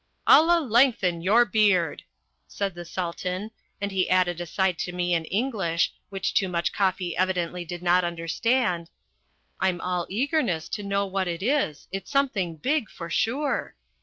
"Allah lengthen your beard," said the Sultan, and he added aside to me in English, which Toomuch Koffi evidently did not understand, "I'm all eagerness to know what it is it's something big, for sure."